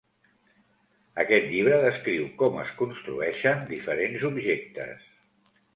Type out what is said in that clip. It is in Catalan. Aquest llibre descriu com es construeixen diferents objectes.